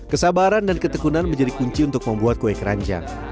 kesabaran dan ketekunan menjadi kunci untuk membuat kue keranjang